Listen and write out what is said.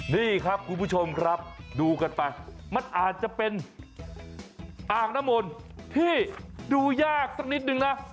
นี่ครับคุณผู้ชมครับดูกันไปมันอาจจะเป็นอ่างน้ำมนต์ที่ดูยากสักนิดนึงนะ